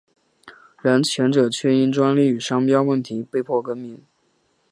然前者却因专利与商标问题被迫更名。